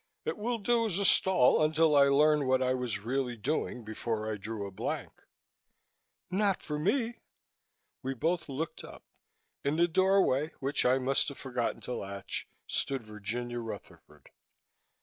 It will do as a stall until I learn what I was really doing before I drew a blank." "Not for me!" We both looked up. In the doorway which I must have forgotten to latch stood Virginia Rutherford.